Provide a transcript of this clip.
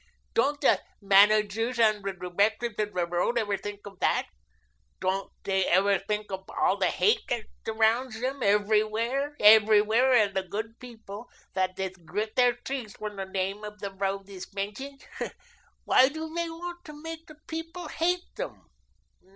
Don't the managers and the directors of the road ever think of that? Don't they ever think of all the hate that surrounds them, everywhere, everywhere, and the good people that just grit their teeth when the name of the road is mentioned? Why do they want to make the people hate them?